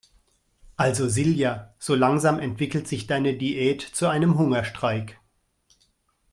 Also Silja, so langsam entwickelt sich deine Diät zu einem Hungerstreik.